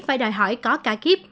phải đòi hỏi có cả kiếp